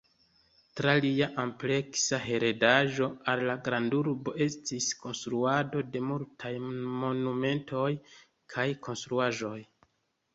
Tra lia ampleksa heredaĵo al la grandurbo estis konstruado de multaj monumentoj kaj konstruaĵoj.